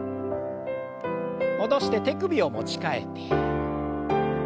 戻して手首を持ち替えて。